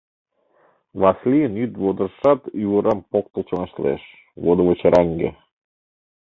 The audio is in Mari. Васлийын йӱд водыжшат ӱвырам поктыл чоҥештылеш — водовычыраҥге.